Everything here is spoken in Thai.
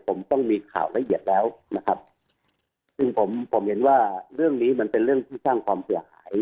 ผมต้องมีข่าวละเอียดแล้วนะครับซึ่งผมผมเห็นว่าเรื่องนี้มันเป็นเรื่องที่สร้างความเสียหาย